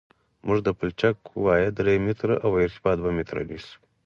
موږ د پلچک وایه درې متره او ارتفاع دوه متره نیسو